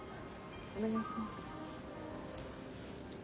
お願いします。